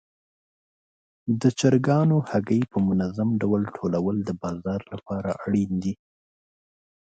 د چرګانو هګۍ په منظم ډول ټولول د بازار لپاره اړین دي.